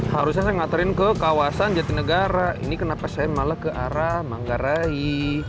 harusnya saya ngatarin ke kawasan jatinegara ini kenapa saya malah ke arah manggarai